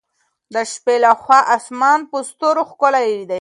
د شپې له خوا اسمان په ستورو ښکلی وي.